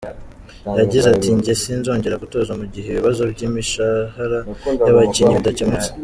Yagize ati : "Njye sinzongera gutoza mugihe ibibazo by’imishahara y'abakinnyi bidacemutse.